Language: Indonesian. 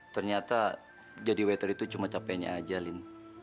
ternyata jadi waiter itu cuma capeknya aja lin